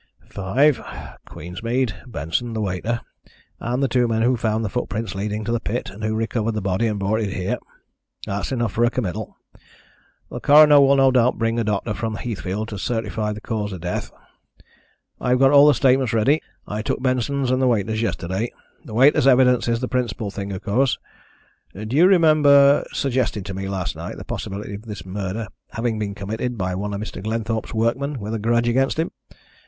"Five: Queensmead, Benson, the waiter, and the two men who found the footprints leading to the pit and who recovered the body and brought it here. That's enough for a committal. The coroner will no doubt bring a doctor from Heathfield to certify the cause of death. I've got all the statements ready. I took Benson's and the waiter's yesterday. The waiter's evidence is the principal thing, of course. Do you remember suggesting to me last night the possibility of this murder having been committed by one of Mr. Glenthorpe's workmen with a grudge against him?